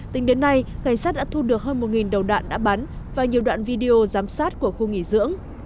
tính đến nay cảnh sát đã thu được hơn một đầu đạn đã bắn và nhiều đoạn video giám sát của khu nghỉ dưỡng